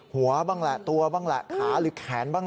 หัวบ้างละตัวบ้างละขาหรือแขนบ้าง